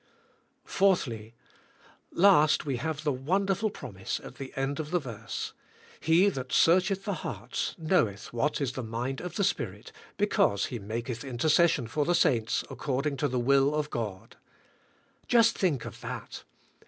4. Last we have the wonderful promise at the end of the verse. "He that searcheth the hearts knoweth what is the mind of the Spirit because He maketh intercession for the saints according to the will of God," Just think of that.